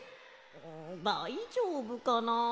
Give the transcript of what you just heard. だいじょうぶかな？